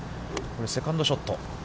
セカンドショット。